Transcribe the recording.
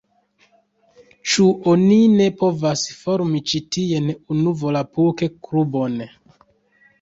Ĉu oni ne povas formi ĉi tien unu volapuk-klubon?